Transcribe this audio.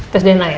tes dna ya